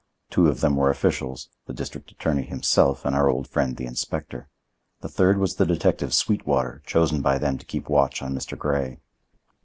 Two of them were officials—the district attorney himself, and our old friend, the inspector. The third was the detective, Sweetwater, chosen by them to keep watch on Mr. Grey.